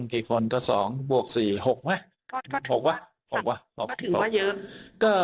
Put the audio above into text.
กี่คนก็๒บวก๔หกไหม๖วะ